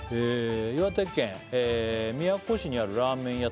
岩手県宮古市にあるラーメン屋